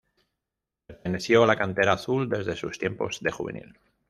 Perteneció a la cantera azul desde sus tiempos de juvenil.